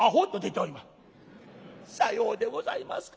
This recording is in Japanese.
「さようでございますか。